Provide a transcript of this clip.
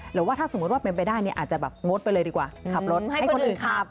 หรือว่าถ้าสมมุติว่าเป็นไปได้เนี่ยอาจจะแบบงดไปเลยดีกว่าขับรถให้คนอื่นขับ